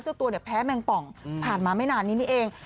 เจ้าตัวเนี่ยแพ้แมงป่องผ่านมาไม่นานนี้นี่เอง